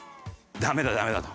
「ダメだダメだ」と。